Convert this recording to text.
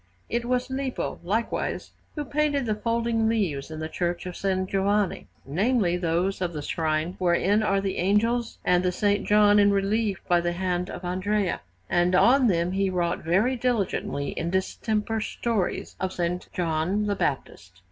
It was Lippo, likewise, who painted the folding leaves in the Church of S. Giovanni namely, those of the shrine wherein are the angels and the S. John in relief by the hand of Andrea; and on them he wrought very diligently in distemper stories of S. John the Baptist.